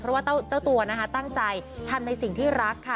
เพราะว่าเจ้าตัวนะคะตั้งใจทำในสิ่งที่รักค่ะ